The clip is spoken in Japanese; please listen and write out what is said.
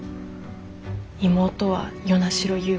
妹は与那城優